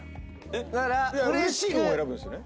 えっ嬉しい人を選ぶんですよね？